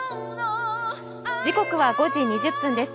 時刻は５時２０分です。